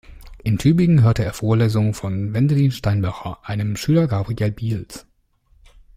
In Tübingen hörte er Vorlesungen von Wendelin Steinbach, einem Schüler Gabriel Biels.